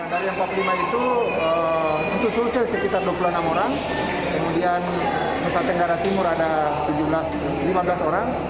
dari empat puluh lima itu untuk sulsel sekitar dua puluh enam orang kemudian nusa tenggara timur ada lima belas orang